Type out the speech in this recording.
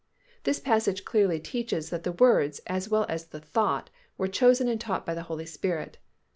This passage clearly teaches that the words, as well as the thought, were chosen and taught by the Holy Spirit.